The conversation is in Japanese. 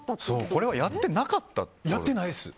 これはやってなかったってことですか？